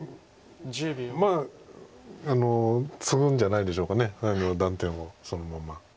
まあツグんじゃないでしょうか断点をそのまま。